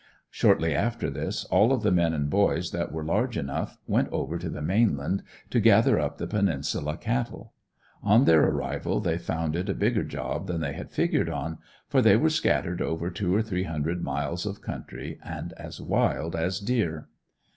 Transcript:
Shortly after this all of the men and boys that were large enough, went over to the mainland to gather up the Peninsula cattle. On their arrival they found it a bigger job than they had figured on, for they were scattered over two or three hundred miles of country and as wild as deer.